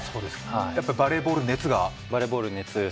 やっぱりバレーボール熱が？